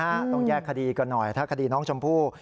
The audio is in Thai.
ต้องแยกคดีก่อนหน่อยถ้าคดีน้องชมพู่